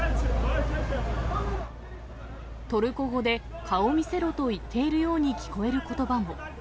トルコ語で、顔見せろと言っているように聞こえることばも。